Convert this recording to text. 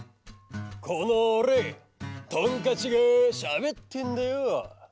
・このおれトンカチがしゃべってんだよ！